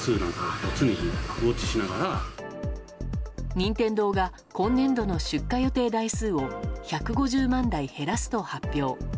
任天堂が今年度の出荷予定台数を１５０万台減らすと発表。